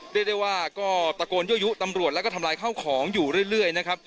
เรียกได้ว่าก็ตะโกนยั่วยุตำรวจแล้วก็ทำลายข้าวของอยู่เรื่อยนะครับ